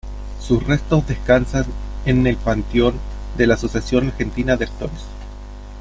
Sus restos descansan en el panteón de la Asociación Argentina de Actores.